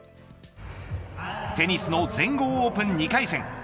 テニスの全豪オープン２回戦。